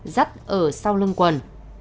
rắt ở sau lưng quần